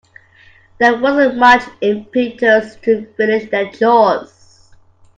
There wasn't much impetus to finish our chores.